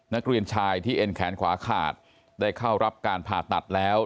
นักเรียนชายที่เอ็นแขนขวาขาดได้เข้ารับการผ่าตัดแล้ว